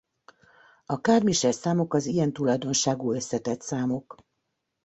A Carmichael-számok az ilyen tulajdonságú összetett számok.